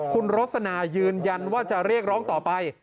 คุณรสนายืนยันว่าจะเรียกร้องต่อไป